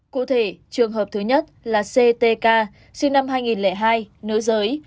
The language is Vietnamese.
cụ thể trường hợp thứ nhất là ctk sinh năm hai nghìn hai nữ giới